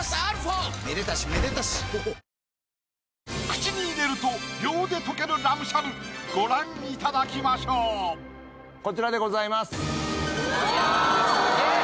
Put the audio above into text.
口に入れると秒で溶けるラムしゃぶご覧いただきましょうこちらでございますスゴっ！